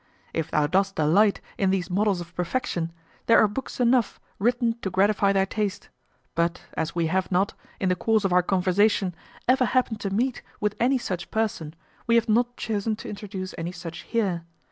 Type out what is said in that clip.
If thou dost delight in these models of perfection, there are books enow written to gratify thy taste; but, as we have not, in the course of our conversation, ever happened to meet with any such person, we have not chosen to introduce any such here.